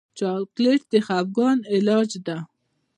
چاکلېټ د خفګان علاج دی.